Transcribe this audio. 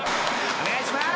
お願いします！